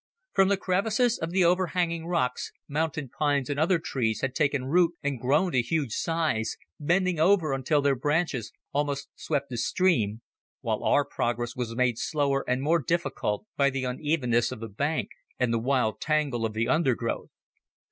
From the crevices of the overhanging rocks, mountain pines and other trees had taken root and grown to huge size, bending over until their branches almost swept the stream, while our progress was made slower and more difficult by the unevenness of the bank and the wild tangle of the undergrowth.